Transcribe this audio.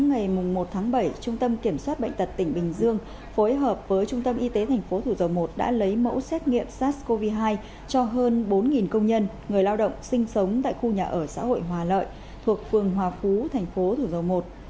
ngày một tháng bảy trung tâm kiểm soát bệnh tật tỉnh bình dương phối hợp với trung tâm y tế tp thủ dầu một đã lấy mẫu xét nghiệm sars cov hai cho hơn bốn công nhân người lao động sinh sống tại khu nhà ở xã hội hòa lợi thuộc phường hòa phú thành phố thủ dầu một